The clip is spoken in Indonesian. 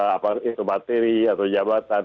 apa itu materi atau jabatan